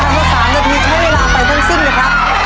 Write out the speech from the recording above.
เราจะทำกัน๓นาทีใช้เวลาไปทั้งสิ้นนะครับ